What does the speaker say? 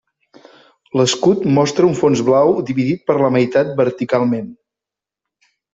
L'escut mostra un fons blau dividit per la meitat verticalment.